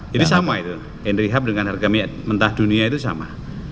jadi sama itu henry hap dengan harga minyak mentah dunia itu sama